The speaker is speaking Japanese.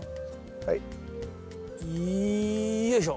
はい。よいしょ。